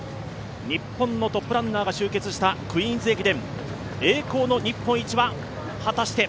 日本のトップランナーが集結したクイーンズ駅伝。